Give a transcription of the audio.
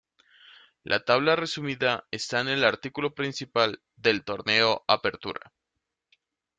La tabla resumida está en el artículo principal del Torneo Apertura.